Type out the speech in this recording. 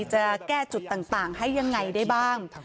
จะแก้จุดต่างให้ยังไงได้บ้าง